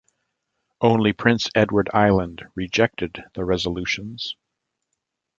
Only Prince Edward Island rejected the resolutions.